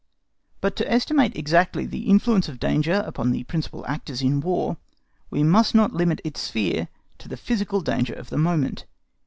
But to estimate exactly the influence of danger upon the principal actors in War, we must not limit its sphere to the physical danger of the moment.